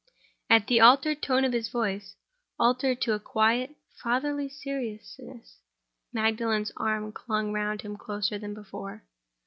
At the altered tone of his voice—altered to a quiet, fatherly seriousness—Magdalen's arms clung round him closer than before.